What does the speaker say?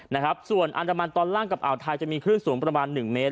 นะครับส่วนอันดามันตอนล่างกับอ่าวไทยจะมีคลื่นสูงประมาณหนึ่งเมตร